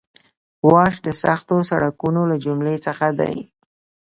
واش د سختو سړکونو له جملې څخه دی